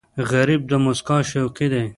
غریب د موسکا شوقي دی